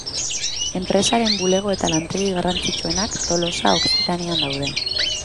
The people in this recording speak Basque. Enpresaren bulego eta lantegi garrantzitsuenak Tolosa Okzitanian daude.